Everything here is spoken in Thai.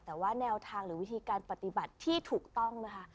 แต่ว่าแนวทางหรือวิธีการปฏิบัติที่ถูกต้องนะคะ